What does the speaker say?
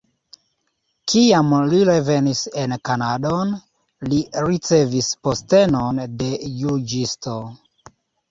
Kiam li revenis en Kanadon, li ricevis postenon de juĝisto.